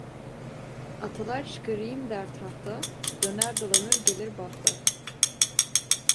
Atalar çıkarayım der tahta, döner dolanır gelir bahta.